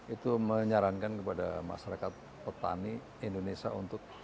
itu menyarankan kepada masyarakat petani indonesia untuk